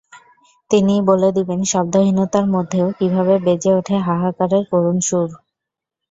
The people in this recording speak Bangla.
তিনিই বলে দেবেন শব্দহীনতার মধ্যেও কীভাবে বেজে ওঠে হাহাকারের করুণ সুর।